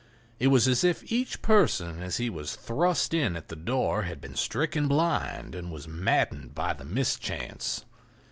It was as if each person as he was thrust in at the door had been stricken blind, and was maddened by the mischance.